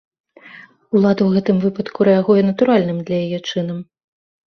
Улада ў гэтым выпадку рэагуе натуральным для яе чынам.